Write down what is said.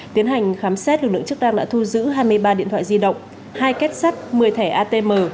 tiến hành khám xét lực lượng chức năng đã thu giữ hai mươi ba điện thoại di động hai kết sắt một mươi thẻ atm